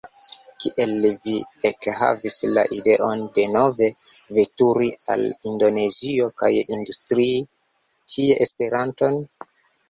Kiel vi ekhavis la ideon denove veturi al Indonezio kaj instrui tie Esperanton?